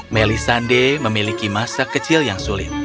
melisande memiliki masa kecil yang sulit